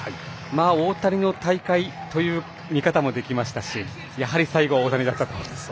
大谷の大会という見方もできましたしやはり、最後、大谷だったと。